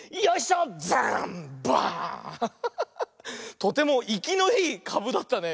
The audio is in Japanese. とてもいきのいいかぶだったね。